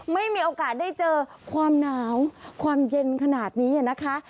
ไม่มีโอกาสได้เจอความหนาวความเย็นขนาดนี้นะคะ